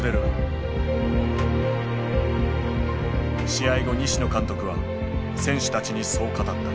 試合後西野監督は選手たちにそう語った。